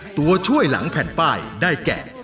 ตัวช่วยหลังแผ่นป้ายได้แก่